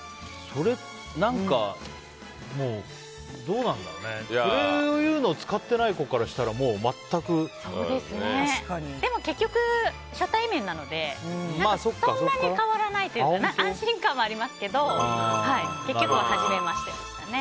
そういうの使ってない子からしたらでも結局、初対面なのでそんなに変わらないというか安心感はありますけど結局は初めましてでしたね。